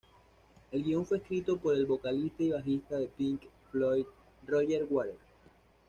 El guion fue escrito por el vocalista y bajista de Pink Floyd, Roger Waters.